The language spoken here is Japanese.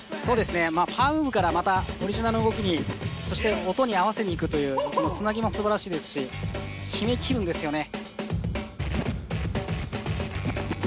パワームーブからまたオリジナルの動きにそして音に合わせにいくというつなぎもすばらしいですし決めきるんですよね。